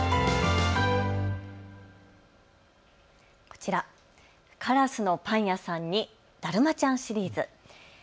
こちらからすのパンやさんにだるまちゃんシリーズ。